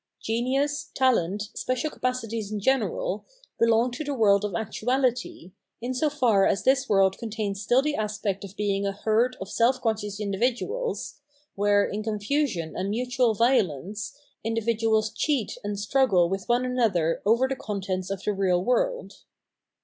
Genius, talent, special capacities in general, belong to the world of actuahty, in so far as this world contains still the aspect of being a herd of self conscious individuals, where, in confusion and mutual violence, individuals cheat and struggle with one another over the contents of the real world.